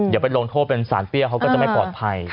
อย่าไปโดนโฆบเป็นสารเปี้ยวจะไม่ปลอดภัย